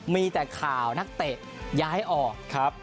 มีแต่ข่าวนักเตะย้ายออกครับ